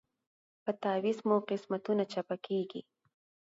په تعویذ مو قسمتونه چپه کیږي